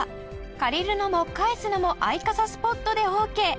借りるのも返すのもアイカサスポットでオーケー！